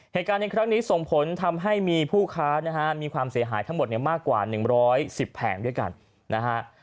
เหตุการณ์ในครั้งนี้ส่งผลทำให้มีผู้ค้านะฮะมีความเสียหายทั้งหมดเนี่ยมากกว่า๑๑๐แผงด้วยกันนะฮะ